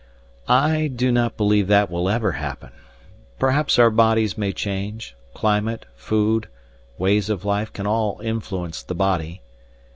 "I do not believe that will ever happen. Perhaps our bodies may change; climate, food, ways of life can all influence the body.